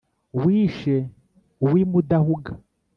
Wishe uw’i Mudahuga